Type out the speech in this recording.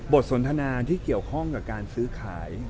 สนทนาที่เกี่ยวข้องกับการซื้อขาย